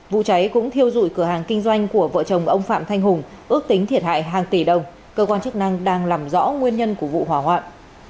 vụ cháy cũng thiêu dụi cửa hàng kinh doanh của vợ chồng ông phạm thanh hùng ước tính thiệt hại hàng tỷ đồng cơ quan chức năng đang làm rõ nguyên nhân của vụ hỏa hoạn